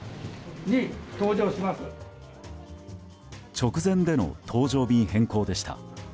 直前での搭乗便変更でした。